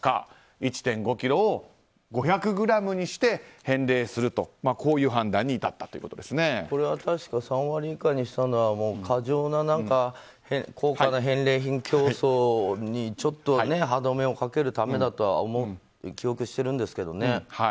１．５ｋｇを５００ｇにして返礼するというこういう判断に至った確か３割以下にしたのは過剰な高価な返礼品競争にちょっと歯止めをかけるためだと記憶してるんですけどね。